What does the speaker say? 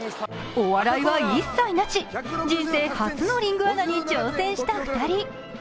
お笑いは一切なし、人生初のリングアナに挑戦した２人。